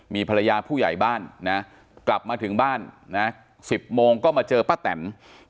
มีภรรยาผู้ใหญ่บ้านนะกลับมาถึงบ้านนะ๑๐โมงก็มาเจอป้าแตน